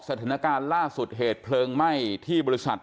สถานการณ์ล่าสุดเหตุเพลิงไหม้ที่บริษัท